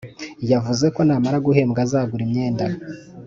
yavuze ko namara guhembwa azagura imyenda